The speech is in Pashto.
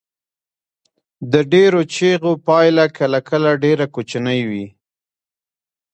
د ډیرو چیغو پایله کله کله ډیره کوچنۍ وي.